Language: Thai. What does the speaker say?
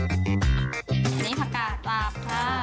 อันนี้ผักฝากจากทราบค่ะ